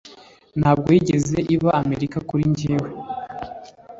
Ntabwo yigeze iba Amerika kuri njye cyane rwose)